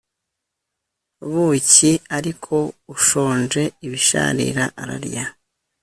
buki ariko ushonje ibisharira ararya